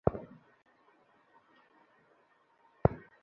দারুণভাবে করছো তুমি।